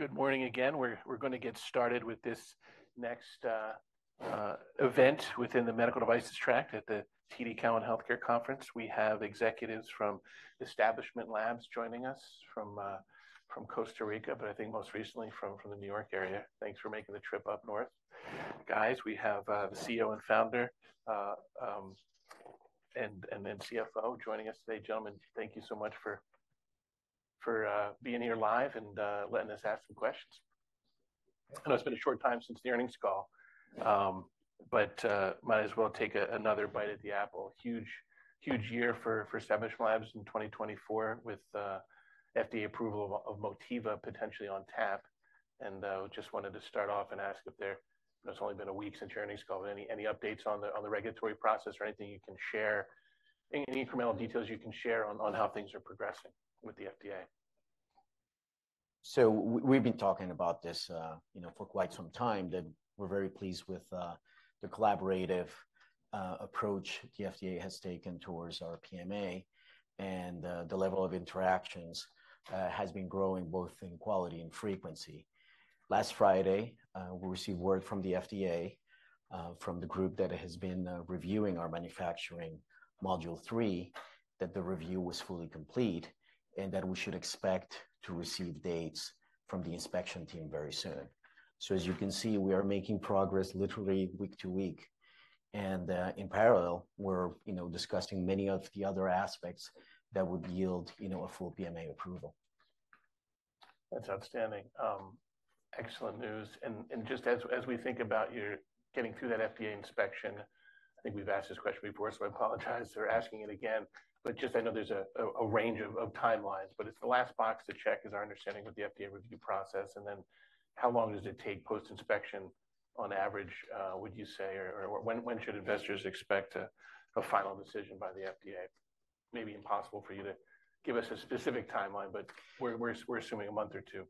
Good morning again. We're going to get started with this next event within the medical devices track at the TD Cowen Health Care Conference. We have executives from Establishment Labs joining us from Costa Rica, but I think most recently from the New York area. Thanks for making the trip up north, guys. We have the CEO and founder and then CFO joining us today. Gentlemen, thank you so much for being here live and letting us ask some questions. I know it's been a short time since the earnings call, but might as well take another bite at the apple. Huge, huge year for Establishment Labs in 2024, with FDA approval of Motiva potentially on tap. Just wanted to start off and ask if there... It's only been a week since your earnings call, but any updates on the regulatory process or anything you can share, any incremental details you can share on how things are progressing with the FDA? So we've been talking about this, you know, for quite some time, that we're very pleased with the collaborative approach the FDA has taken towards our PMA. And the level of interactions has been growing both in quality and frequency. Last Friday we received word from the FDA from the group that has been reviewing our manufacturing Module 3, that the review was fully complete, and that we should expect to receive dates from the inspection team very soon. So as you can see, we are making progress literally week to week. And in parallel, we're, you know, discussing many of the other aspects that would yield, you know, a full PMA approval. That's outstanding. Excellent news. And just as we think about you getting through that FDA inspection, I think we've asked this question before, so I apologize for asking it again, but just I know there's a range of timelines, but it's the last box to check is our understanding of the FDA review process, and then how long does it take post-inspection on average, would you say? Or when should investors expect a final decision by the FDA? Maybe impossible for you to give us a specific timeline, but we're assuming a month or two.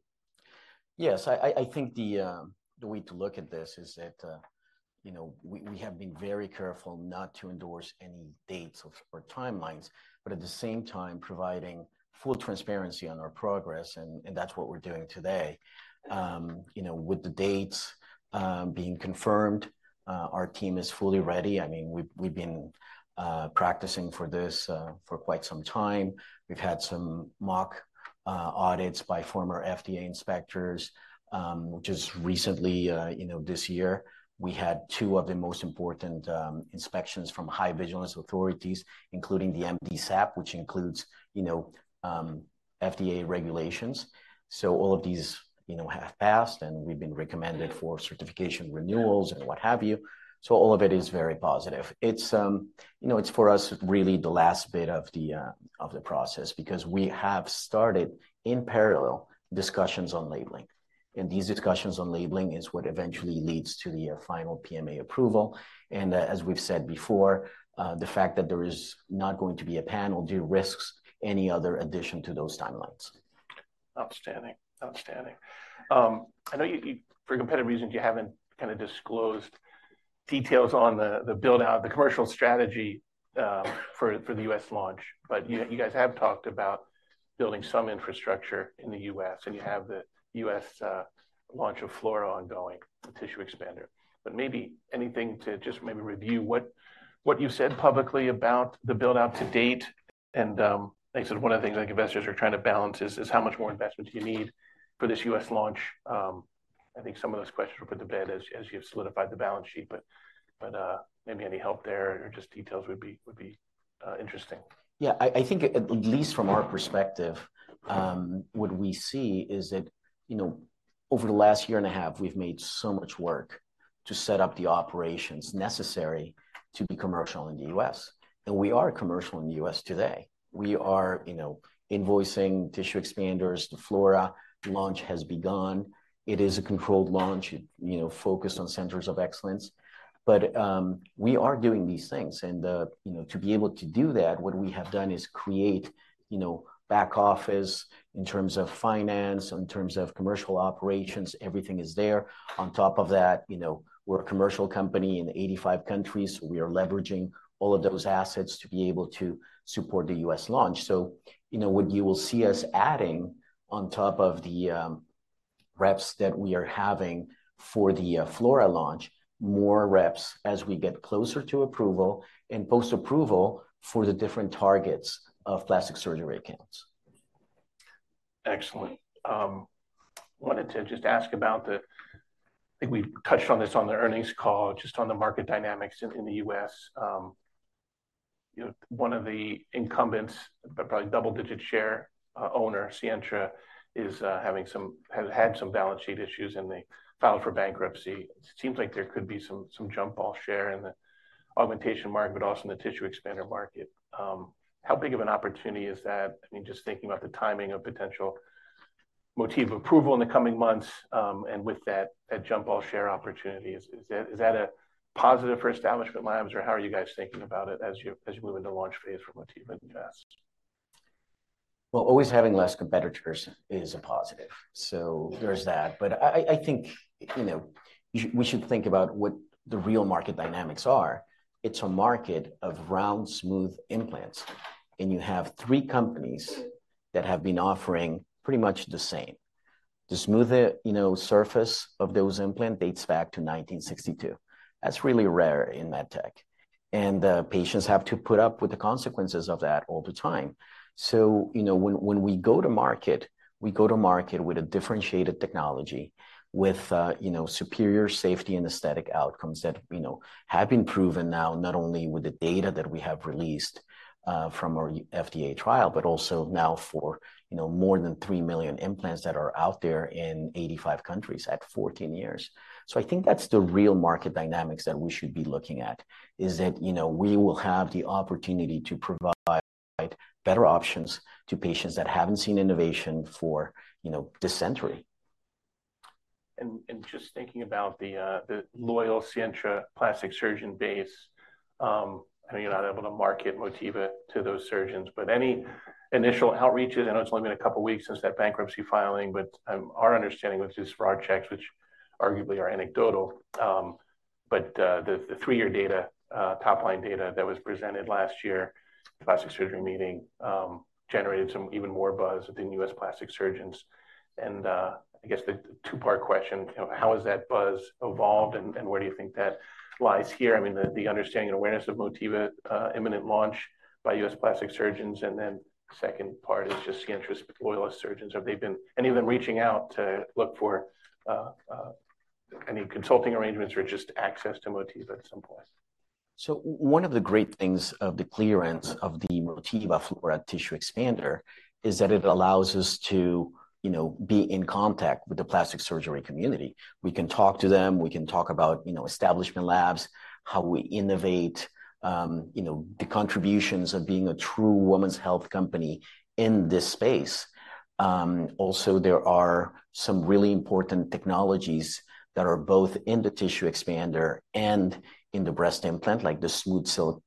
Yes. I think the way to look at this is that, you know, we have been very careful not to endorse any dates or timelines, but at the same time, providing full transparency on our progress, and that's what we're doing today. You know, with the dates being confirmed, our team is fully ready. I mean, we've been practicing for this for quite some time. We've had some mock audits by former FDA inspectors just recently, you know, this year, we had two of the most important inspections from high vigilance authorities, including the MDSAP, which includes, you know, FDA regulations. So all of these, you know, have passed, and we've been recommended for certification renewals and what have you. So all of it is very positive. It's, you know, it's for us, really the last bit of the process, because we have started, in parallel, discussions on labeling, and these discussions on labeling is what eventually leads to the final PMA approval. And, as we've said before, the fact that there is not going to be a panel derisks any other addition to those timelines. Outstanding. Outstanding. I know you for competitive reasons you haven't kind of disclosed details on the build-out the commercial strategy for the U.S. launch, but you guys have talked about building some infrastructure in the U.S., and you have the U.S. launch of Flora ongoing, the tissue expander. But maybe anything to just maybe review what you've said publicly about the build-out to date, and like I said, one of the things I think investors are trying to balance is how much more investment do you need for this U.S. launch? I think some of those questions were put to bed as you've solidified the balance sheet, but maybe any help there or just details would be interesting. Yeah, I think at least from our perspective, what we see is that, you know, over the last year and a half, we've made so much work to set up the operations necessary to be commercial in the U.S.. We are commercial in the U.S. today. We are, you know, invoicing tissue expanders. The Flora launch has begun. It is a controlled launch, you know, focused on centers of excellence. We are doing these things, and you know, to be able to do that, what we have done is create, you know, back office in terms of finance, in terms of commercial operations, everything is there. On top of that, you know, we're a commercial company in 85 countries. We are leveraging all of those assets to be able to support the U.S. launch. So you know, what you will see us adding on top of the reps that we are having for the Flora launch, more reps as we get closer to approval and post-approval for the different targets of plastic surgery accounts. Excellent. Wanted to just ask about the—I think we touched on this on the earnings call, just on the market dynamics in the U.S. You know, one of the incumbents, probably double-digit share owner, Sientra, is having some—has had some balance sheet issues, and they filed for bankruptcy. It seems like there could be some jump-off share in the augmentation market, but also in the tissue expander market. How big of an opportunity is that? I mean, just thinking about the timing of potential Motiva approval in the coming months, and with that jump-off share opportunity, is that a positive for Establishment Labs, or how are you guys thinking about it as you move into the launch phase for Motiva in the U.S.? Well, always having less competitors is a positive, so there's that. But I think, you know, we should think about what the real market dynamics are. It's a market of round, smooth implants, and you have three companies that have been offering pretty much the same.... The smoother, you know, surface of those implants dates back to 1962. That's really rare in med tech, and the patients have to put up with the consequences of that all the time. So, you know, when we go to market, we go to market with a differentiated technology, with, you know, superior safety and aesthetic outcomes that, you know, have been proven now, not only with the data that we have released from our FDA trial, but also now for, you know, more than 3 million implants that are out there in 85 countries at 14 years. So I think that's the real market dynamics that we should be looking at, is that, you know, we will have the opportunity to provide better options to patients that haven't seen innovation for, you know, this century. Just thinking about the loyal Sientra plastic surgeon base. I know you're not able to market Motiva to those surgeons, but any initial outreaches? I know it's only been a couple of weeks since that bankruptcy filing, but our understanding, which is broad checks, which arguably are anecdotal, but the 3-year data, top-line data that was presented last year, plastic surgery meeting, generated some even more buzz within U.S. plastic surgeons. I guess the 2-part question, how has that buzz evolved, and where do you think that lies here? I mean, the understanding and awareness of Motiva, imminent launch by U.S. plastic surgeons. Then second part is just the interest of loyal Sientra surgeons. Have they been any of them reaching out to look for any consulting arrangements or just access to Motiva at some point? So one of the great things of the clearance of the Motiva Flora tissue expander is that it allows us to, you know, be in contact with the plastic surgery community. We can talk to them, we can talk about, you know, Establishment Labs, how we innovate, you know, the contributions of being a true woman's health company in this space. Also, there are some really important technologies that are both in the tissue expander and in the breast implant, like the SmoothSilk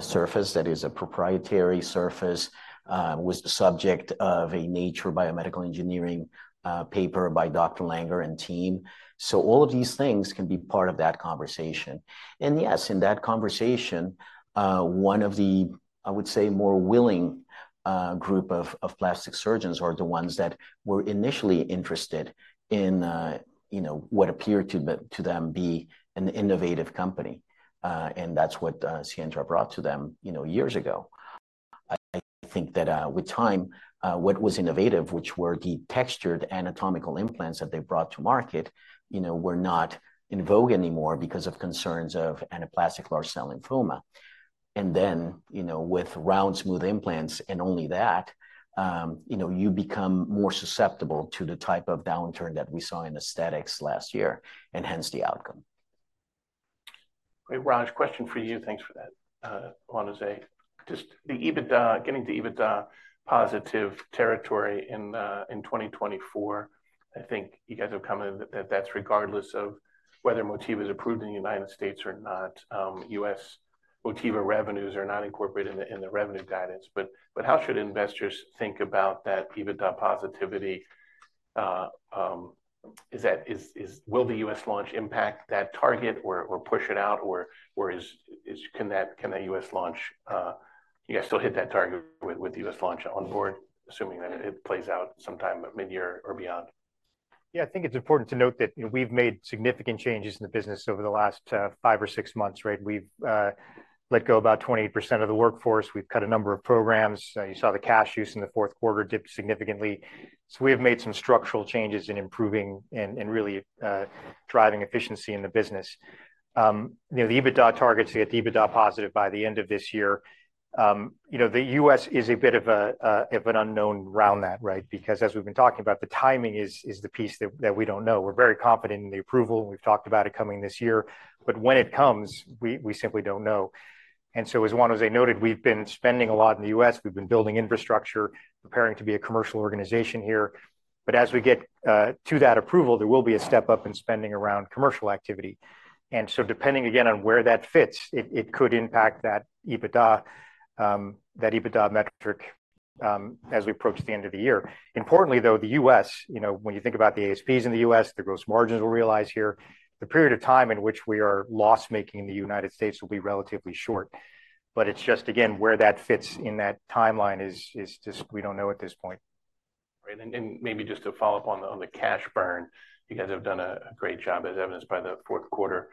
surface that is a proprietary surface, was the subject of a Nature Biomedical Engineering paper by Dr. Langer and team. So all of these things can be part of that conversation. Yes, in that conversation, one of the, I would say, more willing group of plastic surgeons are the ones that were initially interested in, you know, what appeared to them, to them be an innovative company. And that's what Sientra brought to them, you know, years ago. I think that with time, what was innovative, which were the textured anatomical implants that they brought to market, you know, were not in vogue anymore because of concerns of anaplastic large cell lymphoma. And then, you know, with round, smooth implants and only that, you know, you become more susceptible to the type of downturn that we saw in aesthetics last year, and hence the outcome. Great. Raj, question for you. Thanks for that, Juan Jose. Just the EBITDA, getting to EBITDA positive territory in 2024. I think you guys have commented that that's regardless of whether Motiva is approved in the United States or not. U.S. Motiva revenues are not incorporated in the revenue guidance. But how should investors think about that EBITDA positivity? Will the U.S. launch impact that target or push it out, or can that U.S. launch you guys still hit that target with the U.S. launch on board, assuming that it plays out sometime midyear or beyond? Yeah, I think it's important to note that we've made significant changes in the business over the last, five or six months, right? We've let go about 28% of the workforce. We've cut a number of programs. You saw the cash use in the fourth quarter dip significantly. So we have made some structural changes in improving and, and really, driving efficiency in the business. You know, the EBITDA targets to get the EBITDA positive by the end of this year, you know, the U.S. is a bit of a, of an unknown around that, right? Because as we've been talking about, the timing is, is the piece that, that we don't know. We're very confident in the approval, and we've talked about it coming this year, but when it comes, we, we simply don't know. So as Juan Jose noted, we've been spending a lot in the U.S. We've been building infrastructure, preparing to be a commercial organization here. But as we get to that approval, there will be a step up in spending around commercial activity. So depending again, on where that fits, it could impact that EBITDA, that EBITDA metric, as we approach the end of the year. Importantly, though, the U.S., you know, when you think about the ASPs in the U.S., the gross margins will realize here, the period of time in which we are loss-making in the United States will be relatively short. But it's just, again, where that fits in that timeline is just we don't know at this point. Right. Maybe just to follow up on the cash burn, you guys have done a great job, as evidenced by the fourth quarter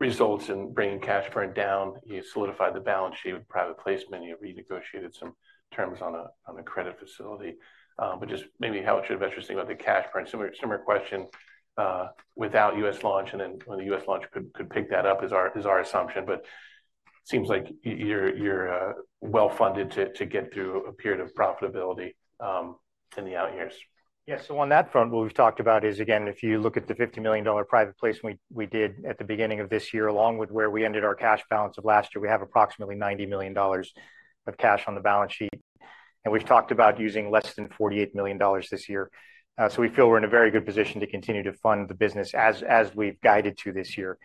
results in bringing cash burn down. You solidified the balance sheet with private placement, you renegotiated some terms on a credit facility. But just maybe how it should have interesting about the cash burn. Similar question, without U.S. launch, and then when the U.S. launch could pick that up is our assumption. But seems like you're well funded to get through a period of profitability in the out years. Yeah. So on that front, what we've talked about is, again, if you look at the $50 million private placement we, we did at the beginning of this year, along with where we ended our cash balance of last year, we have approximately $90 million of cash on the balance sheet. And we've talked about using less than $48 million this year. So we feel we're in a very good position to continue to fund the business as, as we've guided to this year.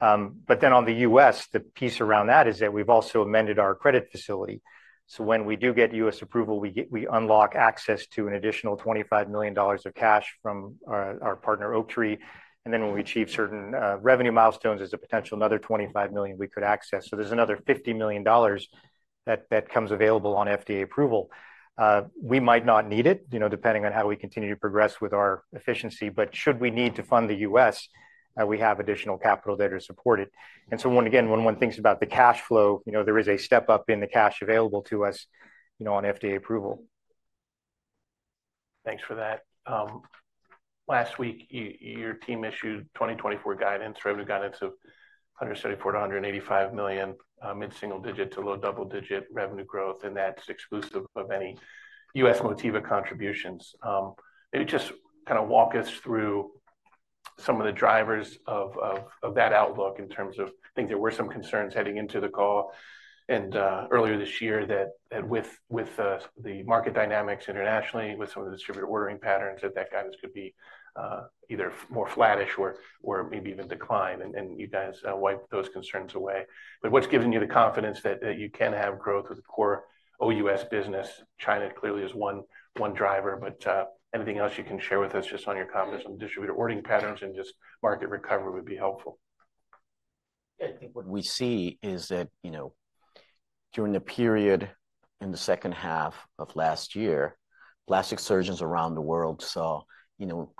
But then on the U.S., the piece around that is that we've also amended our credit facility. So when we do get U.S. approval, we get, we unlock access to an additional $25 million of cash from our, our partner, Oaktree. And then when we achieve certain, revenue milestones, there's a potential another $25 million we could access. So there's another $50 million that comes available on FDA approval. We might not need it, you know, depending on how we continue to progress with our efficiency, but should we need to fund the U.S., we have additional capital that is supported. And so when, again, one thinks about the cash flow, you know, there is a step-up in the cash available to us, you know, on FDA approval. Thanks for that. Last week, your team issued 2024 guidance, revenue guidance of $174 million-$185 million, mid-single-digit to low double-digit revenue growth, and that's exclusive of any U.S. Motiva contributions. Maybe just kind of walk us through some of the drivers of that outlook in terms of... I think there were some concerns heading into the call and earlier this year, that with the market dynamics internationally, with some of the distributor ordering patterns, that that guidance could be either more flattish or maybe even decline, and you guys wiped those concerns away. But what's giving you the confidence that you can have growth with the core OUS business? China clearly is one driver, but anything else you can share with us just on your confidence on distributor ordering patterns and just market recovery would be helpful. Yeah, I think what we see is that, you know, during the period in the second half of last year, plastic surgeons around the world saw, you know,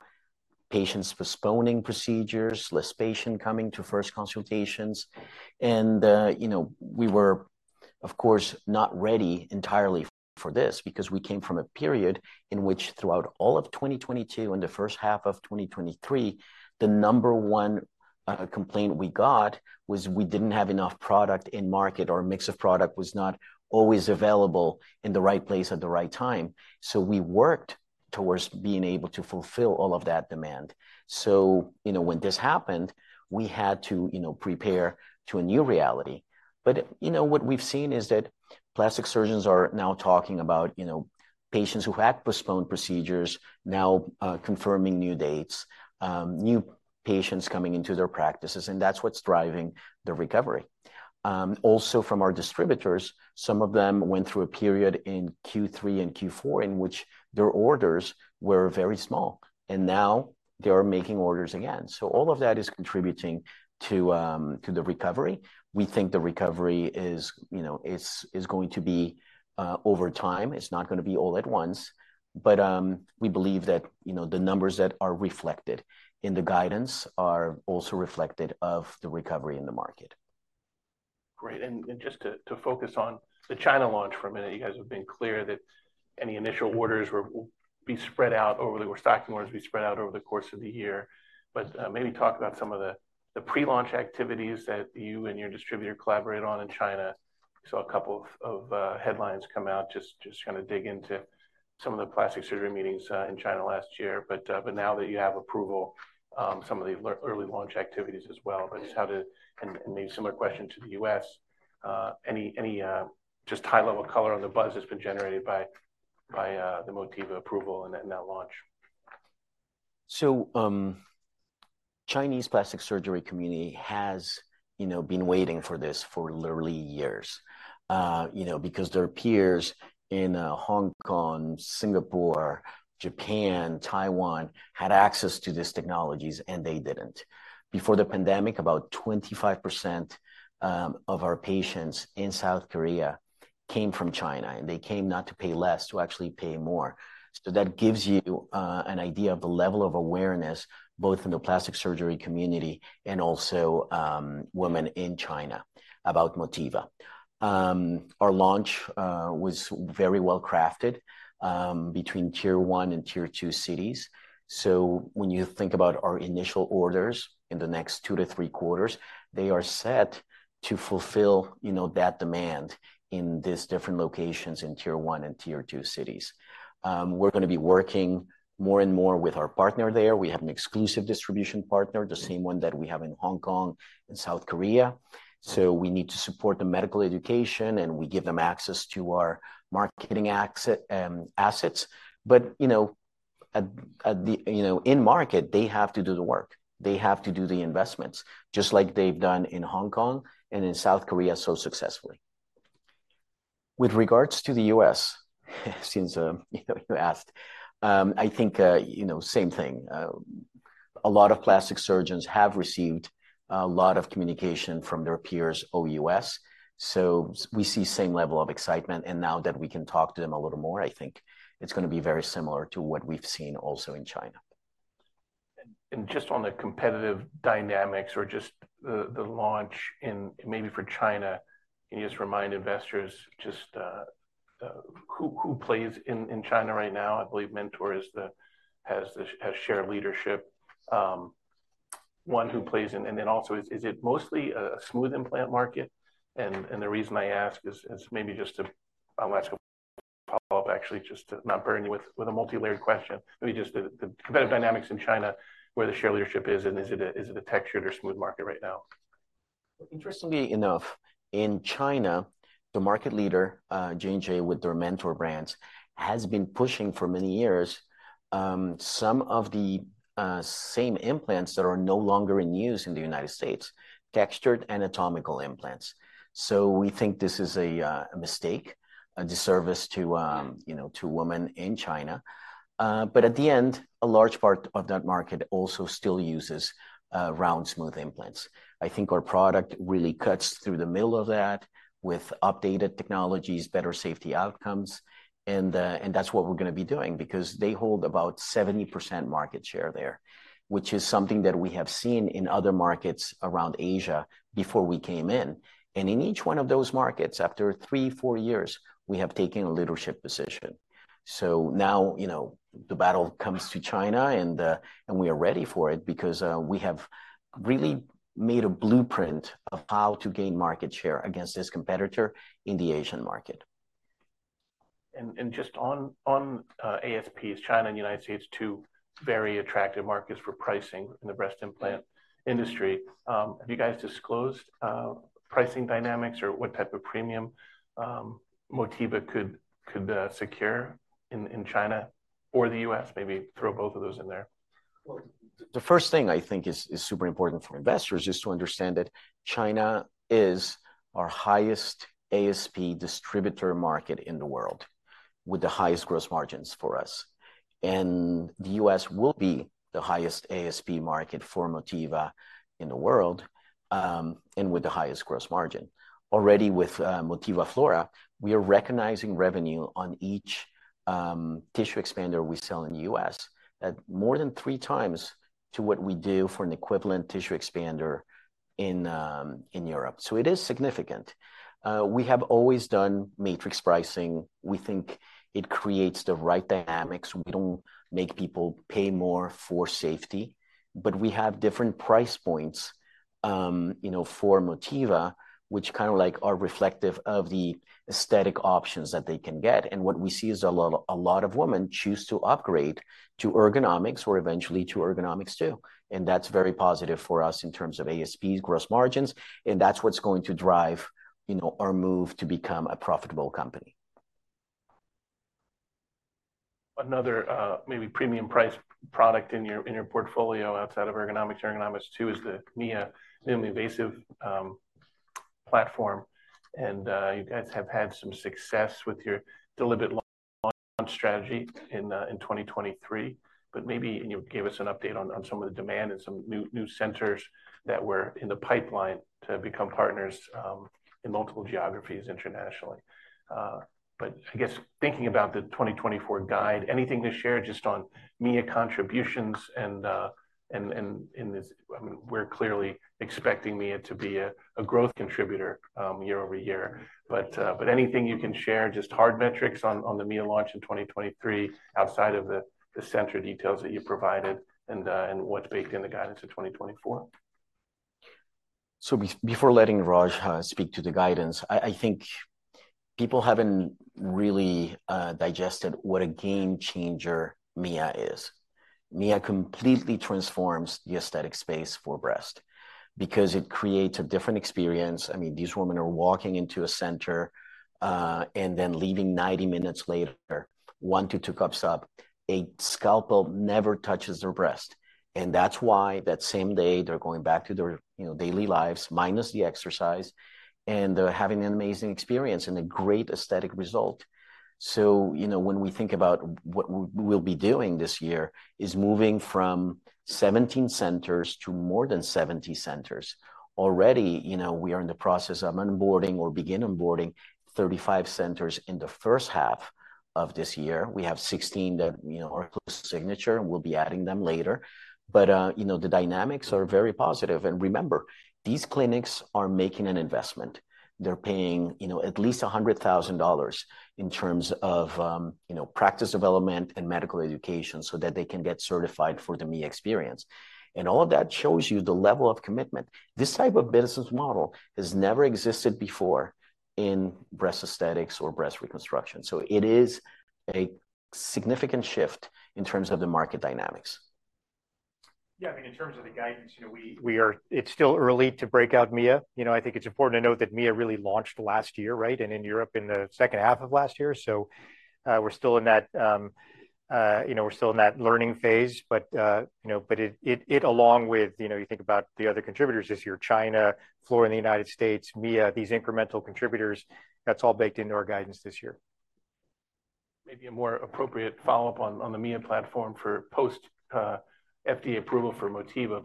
patients postponing procedures, less patient coming to first consultations. And, you know, we were, of course, not ready entirely for this, because we came from a period in which throughout all of 2022 and the first half of 2023, the number one complaint we got was we didn't have enough product in market, or mix of product was not always available in the right place at the right time. So we worked towards being able to fulfill all of that demand. So, you know, when this happened, we had to, you know, prepare to a new reality. But, you know, what we've seen is that plastic surgeons are now talking about, you know, patients who had postponed procedures now confirming new dates, new patients coming into their practices, and that's what's driving the recovery. Also from our distributors, some of them went through a period in Q3 and Q4 in which their orders were very small, and now they are making orders again. So all of that is contributing to the recovery. We think the recovery is, you know, going to be over time. It's not going to be all at once, but we believe that, you know, the numbers that are reflected in the guidance are also reflected of the recovery in the market. Great. And just to focus on the China launch for a minute, you guys have been clear that any initial orders will be spread out over the... or stocking orders be spread out over the course of the year. But maybe talk about some of the pre-launch activities that you and your distributor collaborated on in China. Saw a couple of headlines come out, just trying to dig into some of the plastic surgery meetings in China last year. But now that you have approval, some of the early launch activities as well. But just how and maybe similar question to the U.S., any just high-level color on the buzz that's been generated by the Motiva approval and then that launch. So, Chinese plastic surgery community has, you know, been waiting for this for literally years. You know, because their peers in Hong Kong, Singapore, Japan, Taiwan, had access to these technologies, and they didn't. Before the pandemic, about 25% of our patients in South Korea came from China, and they came not to pay less, to actually pay more. So that gives you an idea of the level of awareness, both in the plastic surgery community and also women in China about Motiva. Our launch was very well crafted between tier one and tier two cities. So when you think about our initial orders in the next 2-3 quarters, they are set to fulfill, you know, that demand in these different locations in tier one and tier two cities. We're going to be working more and more with our partner there. We have an exclusive distribution partner, the same one that we have in Hong Kong and South Korea. So we need to support the medical education, and we give them access to our marketing assets. But, you know, in market, they have to do the work. They have to do the investments, just like they've done in Hong Kong and in South Korea so successfully. With regards to the U.S., since you know, you asked, I think, you know, same thing. A lot of plastic surgeons have received a lot of communication from their peers OUS, so we see same level of excitement, and now that we can talk to them a little more, I think it's going to be very similar to what we've seen also in China. And just on the competitive dynamics or just the launch in, maybe for China, can you just remind investors just who plays in China right now? I believe Mentor has shared leadership, one who plays. And then also, is it mostly a smooth implant market? And the reason I ask is maybe just to, I'll ask a follow-up, actually, just to not burn you with a multilayered question. Let me just. The competitive dynamics in China, where the share leadership is, and is it a textured or smooth market right now? Interestingly enough, in China, the market leader, J&J, with their Mentor brands, has been pushing for many years, some of the same implants that are no longer in use in the United States, textured anatomical implants. So we think this is a mistake, a disservice to, you know, to women in China. But at the end, a large part of that market also still uses round, smooth implants. I think our product really cuts through the middle of that with updated technologies, better safety outcomes, and that's what we're gonna be doing because they hold about 70% market share there, which is something that we have seen in other markets around Asia before we came in. And in each one of those markets, after three, four years, we have taken a leadership position. So now, you know, the battle comes to China, and we are ready for it because we have really made a blueprint of how to gain market share against this competitor in the Asian market. Just on ASPs, China and United States, two very attractive markets for pricing in the breast implant industry. Have you guys disclosed pricing dynamics or what type of premium Motiva could secure in China or the U.S.? Maybe throw both of those in there. Well, the first thing I think is super important for investors is to understand that China is our highest ASP distributor market in the world, with the highest gross margins for us. The U.S. will be the highest ASP market for Motiva in the world, and with the highest gross margin. Already with Motiva Flora, we are recognizing revenue on each tissue expander we sell in the U.S. at more than three times to what we do for an equivalent tissue expander in Europe. So it is significant. We have always done matrix pricing. We think it creates the right dynamics. We don't make people pay more for safety, but we have different price points, you know, for Motiva, which kind of like are reflective of the aesthetic options that they can get. What we see is a lot, a lot of women choose to upgrade to Ergonomix or eventually to Ergonomix2, and that's very positive for us in terms of ASPs, gross margins, and that's what's going to drive, you know, our move to become a profitable company. Another, maybe premium price product in your portfolio outside of Ergonomix, Ergonomix2 is the Mia minimally invasive platform, and you guys have had some success with your deliberate launch strategy in 2023. But maybe, and you gave us an update on some of the demand and some new centers that were in the pipeline to become partners in multiple geographies internationally. But I guess thinking about the 2024 guide, anything to share just on Mia contributions and this-- I mean, we're clearly expecting Mia to be a growth contributor year over year. But anything you can share, just hard metrics on the Mia launch in 2023 outside of the center details that you provided and what's baked in the guidance of 2024. Before letting Raj speak to the guidance, I think people haven't really digested what a game changer Mia is. Mia completely transforms the aesthetic space for breast because it creates a different experience. I mean, these women are walking into a center and then leaving 90 minutes later, 1-2 cups up. A scalpel never touches their breast, and that's why that same day, they're going back to their, you know, daily lives, minus the exercise, and they're having an amazing experience and a great aesthetic result. So, you know, when we think about what we'll be doing this year is moving from 17 centers to more than 70 centers. Already, you know, we are in the process of onboarding or begin onboarding 35 centers in the first half of this year. We have 16 that, you know, are close to signature, and we'll be adding them later. But, you know, the dynamics are very positive. And remember, these clinics are making an investment. They're paying, you know, at least $100,000 in terms of, you know, practice development and medical education so that they can get certified for the Mia experience. And all of that shows you the level of commitment. This type of business model has never existed before in breast aesthetics or breast reconstruction, so it is a significant shift in terms of the market dynamics. Yeah, I mean, in terms of the guidance, you know, we are. It's still early to break out Mia. You know, I think it's important to note that Mia really launched last year, right? And in Europe in the second half of last year. So, we're still in that learning phase, but, you know, but it along with, you know, you think about the other contributors this year, China, Flora in the United States, Mia, these incremental contributors, that's all baked into our guidance this year. Maybe a more appropriate follow-up on the Mia platform for post FDA approval for Motiva,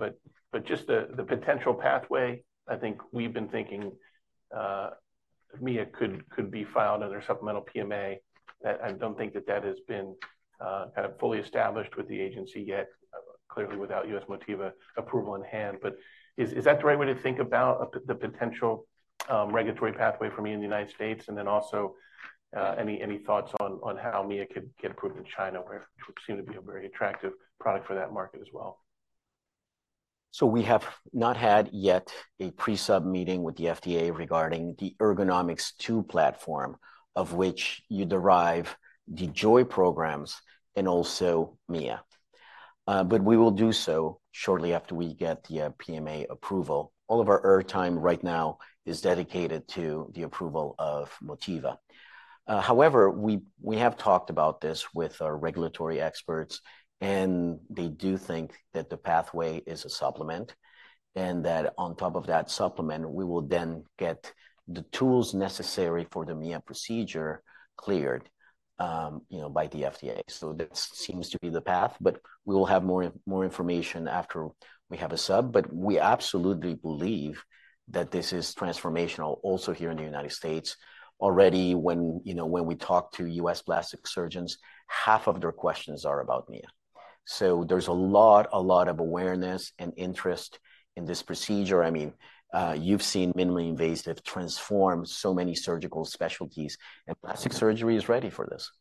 but just the potential pathway. I think we've been thinking Mia could be filed under supplemental PMA. I don't think that that has been kind of fully established with the agency yet, clearly without U.S. Motiva approval on hand. But is that the right way to think about the potential regulatory pathway for Mia in the United States? And then also, any thoughts on how Mia could get approved in China, where it would seem to be a very attractive product for that market as well. So we have not had yet a pre-sub meeting with the FDA regarding the Ergonomix2 platform, of which you derive the JOY programs and also Mia. But we will do so shortly after we get the PMA approval. All of our air time right now is dedicated to the approval of Motiva. However, we have talked about this with our regulatory experts, and they do think that the pathway is a supplement, and that on top of that supplement, we will then get the tools necessary for the Mia procedure cleared, you know, by the FDA. So that seems to be the path, but we will have more information after we have a sub. But we absolutely believe that this is transformational also here in the United States. Already, you know, when we talk to U.S. plastic surgeons, half of their questions are about Mia... So there's a lot, a lot of awareness and interest in this procedure. I mean, you've seen minimally invasive transform so many surgical specialties, and plastic surgery is ready for this.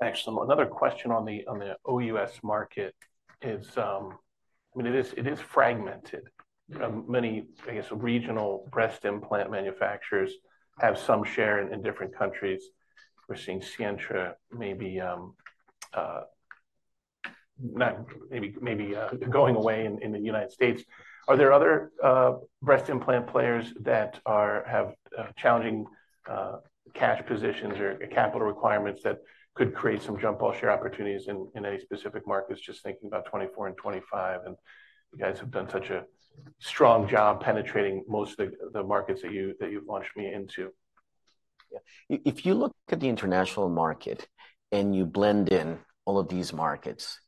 Thanks so much. Another question on the OUS market is, I mean, it is fragmented. Many, I guess, regional breast implant manufacturers have some share in different countries. We're seeing Sientra maybe not maybe, maybe going away in the United States. Are there other breast implant players that have challenging cash positions or capital requirements that could create some jump ball share opportunities in any specific markets? Just thinking about 2024 and 2025, and you guys have done such a strong job penetrating most of the markets that you that you've launched me into. Yeah. If you look at the international market and you blend in all of these markets,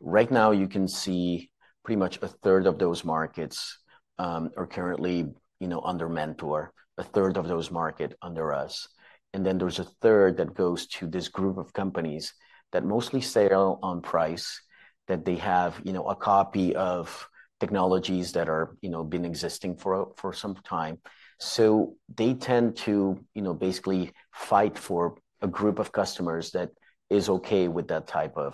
right now, you can see pretty much a third of those markets are currently, you know, under Mentor, a third of those market under us. And then there's a third that goes to this group of companies that mostly sell on price, that they have, you know, a copy of technologies that are, you know, been existing for some time. So they tend to, you know, basically fight for a group of customers that is okay with that type of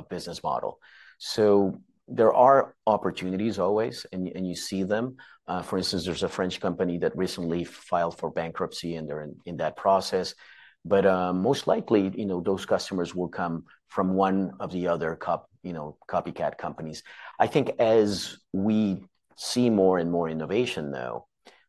a business model. So there are opportunities always, and you see them. For instance, there's a French company that recently filed for bankruptcy, and they're in that process. But, most likely, you know, those customers will come from one of the other copycat companies. I think as we see more and more innovation, though,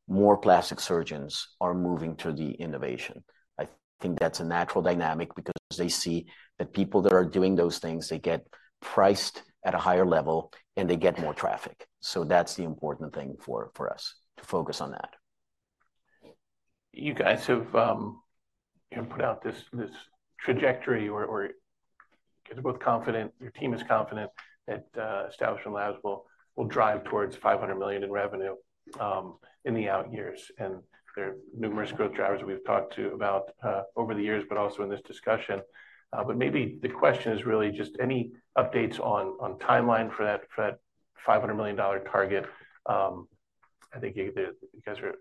more plastic surgeons are moving to the innovation. I think that's a natural dynamic because they see that people that are doing those things, they get priced at a higher level, and they get more traffic. So that's the important thing for us to focus on that. You guys have, you know, put out this trajectory or you guys are both confident, your team is confident that Establishment Labs will drive towards $500 million in revenue, in the out years. There are numerous growth drivers that we've talked to about over the years, but also in this discussion. Maybe the question is really just any updates on timeline for that $500 million target. I think you guys are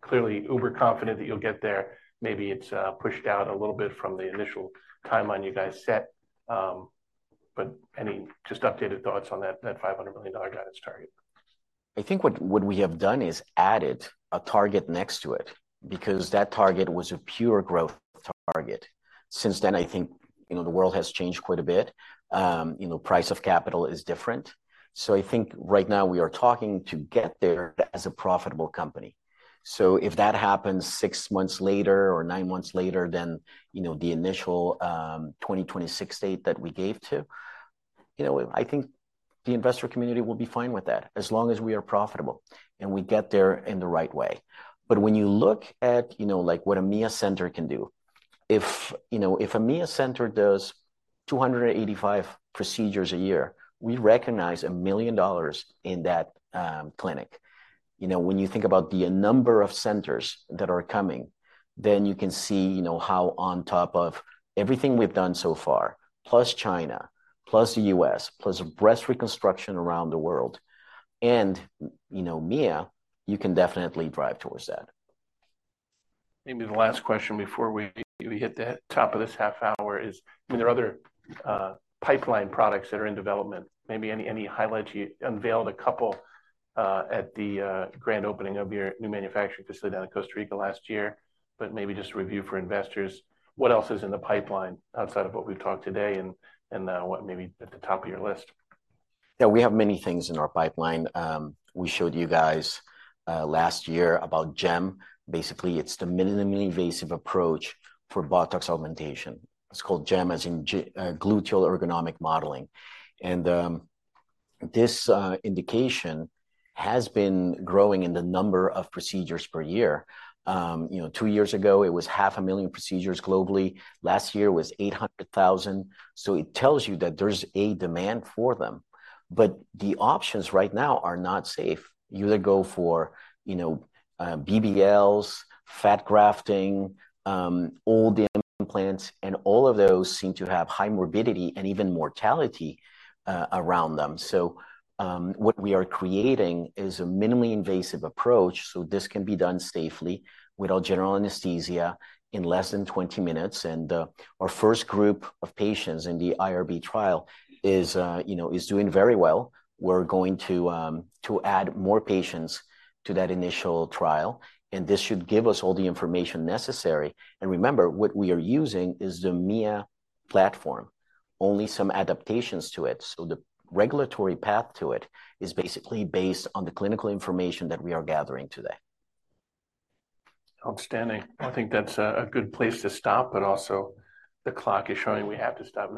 clearly uber-confident that you'll get there. Maybe it's pushed out a little bit from the initial timeline you guys set, but any just updated thoughts on that $500 million guidance target? I think what we have done is added a target next to it because that target was a pure growth target. Since then, I think, you know, the world has changed quite a bit. You know, price of capital is different. So I think right now we are talking to get there as a profitable company. So if that happens six months later or nine months later than, you know, the initial 2026 date that we gave to, you know, I think the investor community will be fine with that, as long as we are profitable and we get there in the right way. But when you look at, you know, like what a Mia center can do, if, you know, if a Mia center does 285 procedures a year, we recognize $1 million in that clinic. You know, when you think about the number of centers that are coming, then you can see, you know, how on top of everything we've done so far, plus China, plus the U.S., plus breast reconstruction around the world, and, you know, Mia, you can definitely drive towards that. Maybe the last question before we hit the top of this half hour is, I mean, there are other pipeline products that are in development. Maybe any highlights? You unveiled a couple at the grand opening of your new manufacturing facility down in Costa Rica last year, but maybe just a review for investors. What else is in the pipeline outside of what we've talked today, and what maybe at the top of your list? Yeah, we have many things in our pipeline. We showed you guys last year about GEM. Basically, it's the minimally invasive approach for buttock augmentation. It's called GEM, as in, Gluteal Ergonomic Modeling. And this indication has been growing in the number of procedures per year. You know, two years ago, it was 500,000 procedures globally. Last year was 800,000. So it tells you that there's a demand for them, but the options right now are not safe. You either go for, you know, BBLs, fat grafting, all the implants, and all of those seem to have high morbidity and even mortality around them. So, what we are creating is a minimally invasive approach, so this can be done safely without general anesthesia in less than 20 minutes, and our first group of patients in the IRB trial is, you know, doing very well. We're going to add more patients to that initial trial, and this should give us all the information necessary. And remember, what we are using is the Mia platform, only some adaptations to it. So the regulatory path to it is basically based on the clinical information that we are gathering today. Outstanding. I think that's a good place to stop, but also the clock is showing we have to stop.